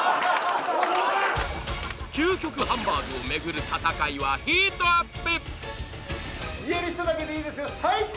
究極ハンバーグを巡る戦いはヒートアップ！